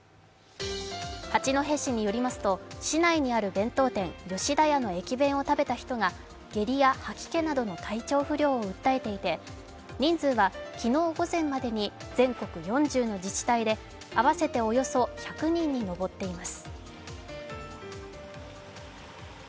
八戸市によりますと、市内にある弁当店、吉田屋の駅弁を食べた人が下痢や吐き気などの体調不良を訴えていて人数は昨日午前までに全国４０の自治体で合わせておよそ１００人に上っています。